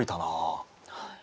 はい。